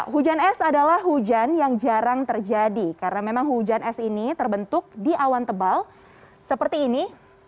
hujan es adalah hujan yang jarang terjadi karena memang hujan es ini terbentuk di awan tebal seperti ini